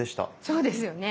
そうですよね。